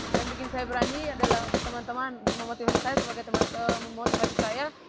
yang bikin saya berani adalah teman teman memotivasi saya sebagai teman memotivasi saya